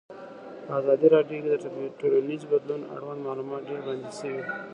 په ازادي راډیو کې د ټولنیز بدلون اړوند معلومات ډېر وړاندې شوي.